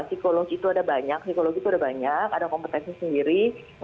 psikologi itu ada banyak psikologi itu ada banyak ada kompetensi sendiri